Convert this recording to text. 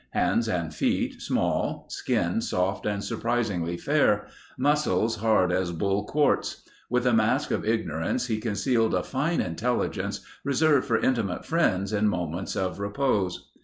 Hands and feet small. Skin soft and surprisingly fair. Muscles hard as bull quartz. With a mask of ignorance he concealed a fine intelligence reserved for intimate friends in moments of repose.